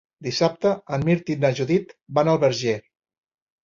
Dissabte en Mirt i na Judit van al Verger.